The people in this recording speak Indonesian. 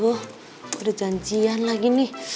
gue udah janjian lagi nih